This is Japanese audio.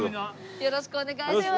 よろしくお願いします